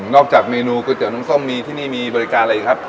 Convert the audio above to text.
นอกจากเมนูก๋วยเจ๋อน้ำส้มที่นี่มีบริการอะไรครับ